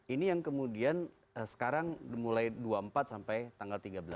ini yang kemudian sekarang mulai dua puluh empat sampai tanggal tiga belas